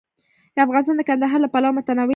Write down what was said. افغانستان د کندهار له پلوه متنوع دی.